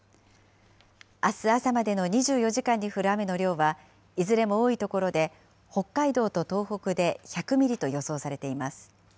あす朝までの２４時間に降る雨の量は、いずれも多い所で、北海道と東北で１００ミリと予想されています。